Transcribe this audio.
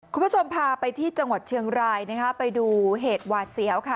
คุณผู้ชมพาไปที่จังหวัดเชียงรายนะคะไปดูเหตุหวาดเสียวค่ะ